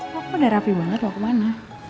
papa udah rapi banget loh kemana